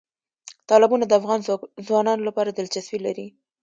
تالابونه د افغان ځوانانو لپاره دلچسپي لري.